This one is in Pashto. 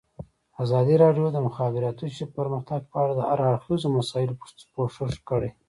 ازادي راډیو د د مخابراتو پرمختګ په اړه د هر اړخیزو مسایلو پوښښ کړی.